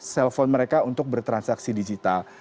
cellphone mereka untuk bertransaksi digital